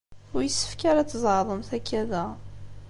Ur yessefk ara ad tzeɛḍemt akka da.